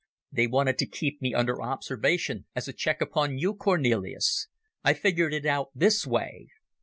They wanted to keep me under observation as a check upon you, Cornelis. I figured it out this way.